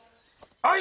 はい！